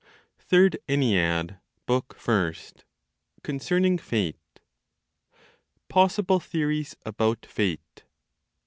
THIRD ENNEAD, BOOK FIRST. Concerning Fate. POSSIBLE THEORIES ABOUT FATE.